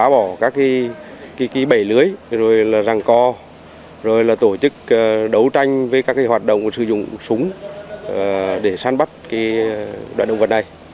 với các hoạt động sử dụng súng để săn bắt đoạn động vật này